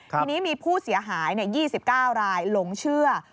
ทีนี้มีผู้เสียหาย๒๙รายหลงเชื่อ